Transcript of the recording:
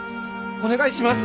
お願いします！